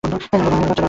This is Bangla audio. আমার বাচ্চারা আছে।